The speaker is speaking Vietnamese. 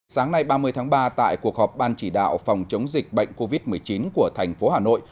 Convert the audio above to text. sáng nay ba mươi tháng ba tại cuộc họp ban chỉ đạo phòng chống dịch bệnh covid một mươi chín của thành phố hà nội